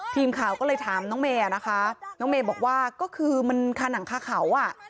ทีมข่าก็เลยถามน้องเม่นะคะเป็นคันหังคาเขาอ่ะ